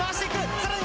さらに。